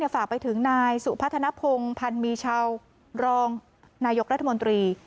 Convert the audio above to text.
ห่าวฝากไปถึงนายสุพัฒนพงษ์ผันมีเชารองนายกรรธมนตรี